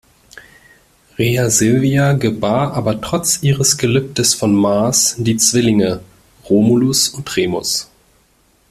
Rhea Silvia gebar aber trotz ihres Gelübdes von Mars die Zwillinge Romulus und Remus.